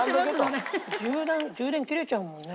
充電切れちゃうもんね。